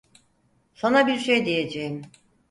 Sana bir şey diyeceğim.